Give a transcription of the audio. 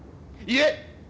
いえ！